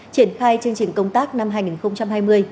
triển khai chương trình công tác năm hai nghìn hai mươi